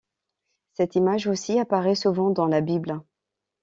Cette image aussi apparaît souvent dans la Bible.